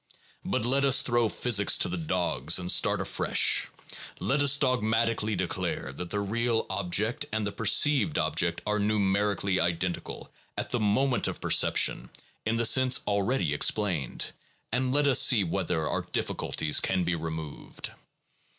But let us throw physics to the dogs and start afresh. Let us dogmatically declare that the real object and the perceived object are numerically identical at the moment of perception, in the sense already explained; and let us see whether our difficulties can be removed.